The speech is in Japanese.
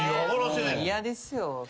嫌ですよ。え！？